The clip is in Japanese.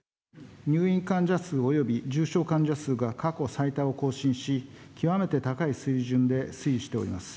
入院患者数および重症患者数が過去最多を更新し、極めて高い水準で推移しております。